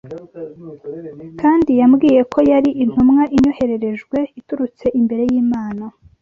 kandi yambwiye ko yari intumwa inyohererejwe iturutse imbere y’Imana